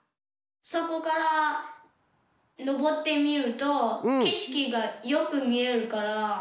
そこからのぼってみるとけしきがよくみえるから。